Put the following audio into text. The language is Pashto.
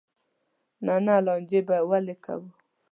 نه نه لانجې به ولې کوو.